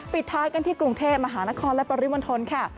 ปิดท้ายกันที่กรุงเทพมหานครและปริมณฑลค่ะ